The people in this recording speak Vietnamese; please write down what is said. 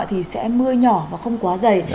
thì sẽ mưa nhỏ và không quá dày